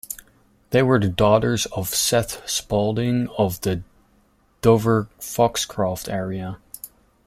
They were the daughters of Seth Spaulding of the Dover-Foxcroft area.